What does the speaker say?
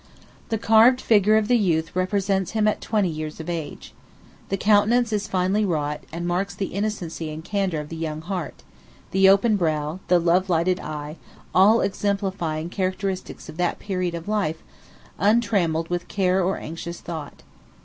The carved figure of the Youth represents him at twenty years of age. The countenance is finely wrought, and marks the innocency and candor of the young heart; the open brow, the love lighted eye, all exemplifying characteristics of that period of life, untrammelled with care or anxious thought.